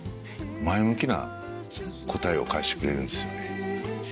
前向きな答えを返してくれるんですよね。